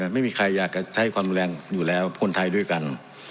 ไม่มีใครอยากจะใช้ความรุนแรงอยู่แล้วคนไทยด้วยกัน